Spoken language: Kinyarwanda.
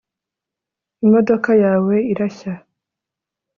Imodoka yawe irashya